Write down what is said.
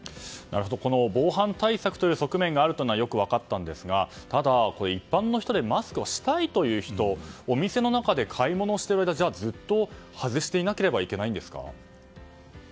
防犯対策という側面があるというのはよく分かったんですがただ、一般の人でマスクをしたいという人お店の中で買い物をしている間ずっと外していなければいけないんですか？